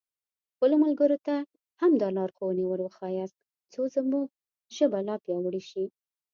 خپلو ملګرو ته هم دا لارښوونې ور وښیاست څو زموږ ژبه لا پیاوړې شي.